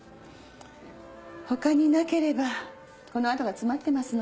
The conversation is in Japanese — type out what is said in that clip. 他になければこの後が詰まってますので。